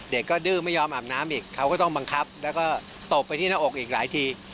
เด็กก็ดื้อไม่ยอมอาบน้ำอีกเขาก็ต้องบังคับแล้วก็ตบไปที่หน้าอกอีกหลายที